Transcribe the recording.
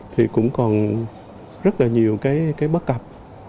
thì cũng còn rất là nhiều cái bất cập